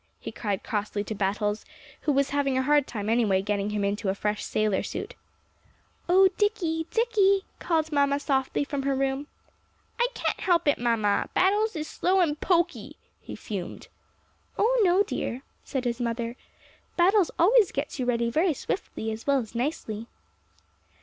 he cried crossly to Battles, who was having a hard time anyway getting him into a fresh sailor suit. "Oh, Dicky Dicky!" called mamma softly from her room. "I can't help it, mamma; Battles is slow and poky," he fumed. "Oh, no, dear," said his mother; "Battles always gets you ready very swiftly, as well as nicely."